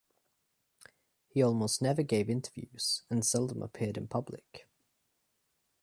He almost never gave interviews and seldom appeared in public.